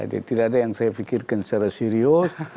jadi tidak ada yang saya pikirkan secara serius